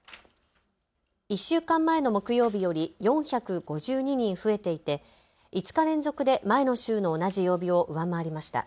１週間前の木曜日より４５２人増えていて５日連続で前の週の同じ曜日を上回りました。